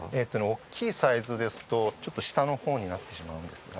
大きいサイズですとちょっと下の方になってしまうんですが。